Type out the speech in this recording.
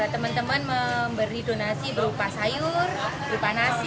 teman teman memberi donasi berupa sayur berupa nasi